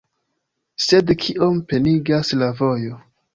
Sed kiom penigas la vojo..